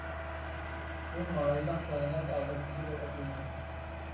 بۇ مايىللىق كائىنات ئادەت كۈچى دەپ ئاتىلىدۇ.